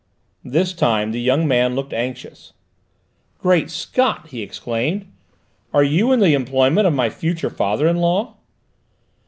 This time the young man looked anxious. "Great Scott!" he exclaimed, "are you in the employment of my future father in law?"